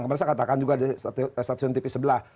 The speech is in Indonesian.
biasanya katakan juga di stasiun tv sebelah